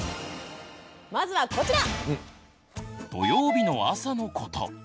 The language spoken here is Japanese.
まずはこちら！